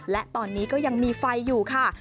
และตอนนี้ก็ยังมีไฟอยู่ค่ะ